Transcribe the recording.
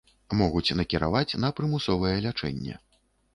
Могуць накіраваць на прымусовае лячэнне.